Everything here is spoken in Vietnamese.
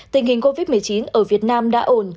tình hình covid một mươi chín ở việt nam đã ổn